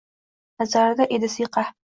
Nazarida edi siyqa.